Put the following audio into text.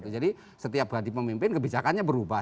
jadi setiap ganti pemimpin kebijakannya berubah